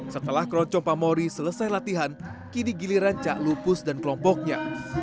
setelah keroncong pamori selesai latihan kini giliran cak lupus dan kelompoknya